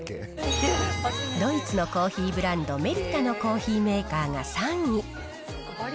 ドイツのコーヒーブランド、メリタのコーヒーメーカーが３位。